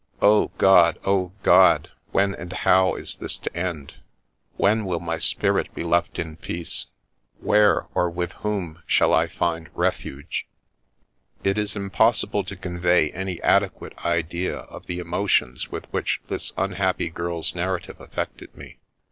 O God ! O God ! when and how is this to end ?— When will my spirit be left in peace ?— Where, or with whom shall I find refuge ?"' It is impossible to convey any adequate idea of the emotions with which this unhappy girl's narrative affected me.